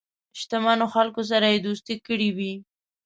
شته منو خلکو سره یې دوستی کړې وي.